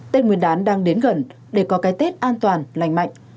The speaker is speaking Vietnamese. tết nguyên đán đang đến gần để có cái tết an toàn lành mạnh